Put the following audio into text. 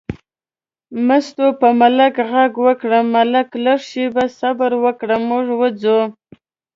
مستو په ملک غږ وکړ: ملکه لږه شېبه صبر وکړه، موږ وځو.